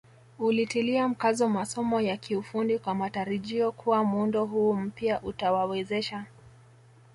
Ulitilia mkazo masomo ya kiufundi kwa matarajio kuwa muundo huu mpya utawawezesha